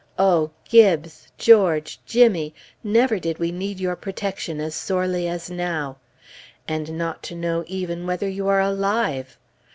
Oh! Gibbes! George! Jimmy! never did we need your protection as sorely as now. And not to know even whether you are alive!